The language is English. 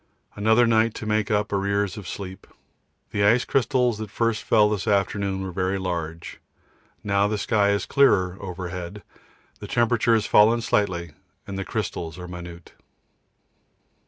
Another night to make up arrears of sleep. The ice crystals that first fell this afternoon were very large. Now the sky is clearer overhead, the temperature has fallen slightly, and the crystals are minute.